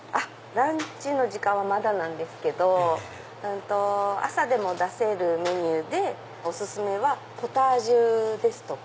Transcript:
ランチの時間はまだなんですけど朝でも出せるメニューでお薦めはポタージュですとか。